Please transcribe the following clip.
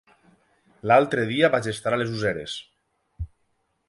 L'altre dia vaig estar a les Useres.